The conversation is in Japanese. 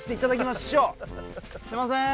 すいません。